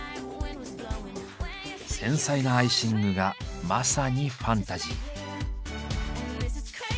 繊細なアイシングがまさにファンタジー。